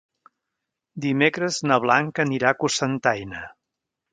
Dimecres na Blanca anirà a Cocentaina.